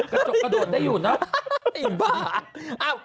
กระโดดได้อยู่เนาะ